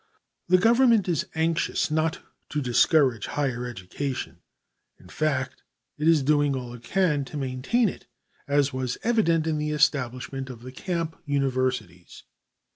The Government is anxious not to discourage higher education; in fact, it is doing all it can to maintain it, as was evident in the establishment of the Camp Universities.